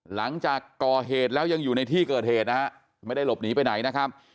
หลังจากก่อเหตุแล้วยังอยู่ในที่เกิดเหตุนะฮะไม่ได้หลบหนีไปไหนนะครับ